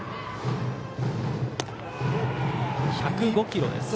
１０５キロです。